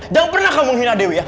jangan pernah kamu menghina dewi ya